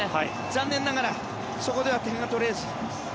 残念ながらそこでは点が取れず。